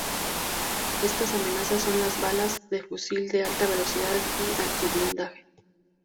Estas amenazas son las balas de fusil de alta velocidad y antiblindaje.